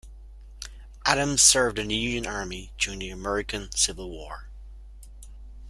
Adams served in the Union Army during the American Civil War.